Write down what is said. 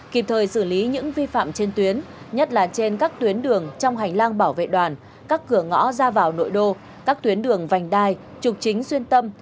kịp thời xử lý những vi phạm trên tuyến nhất là trên các tuyến đường trong hành lang bảo vệ đoàn các cửa ngõ ra vào nội đô các tuyến đường vành đai trục chính xuyên tâm